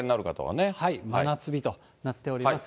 真夏日となっております。